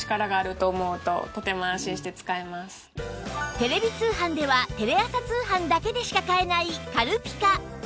テレビ通販ではテレ朝通販だけでしか買えない軽ピカ